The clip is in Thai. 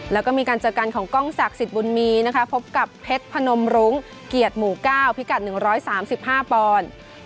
แล้วก็มีการเจอกันของกล้องศักดิ์สิทธิ์บุญมีนะคะพบกับเพชรพนมรุ้งเกียรติหมู่๙พิกัด๑๓๕ปอนด์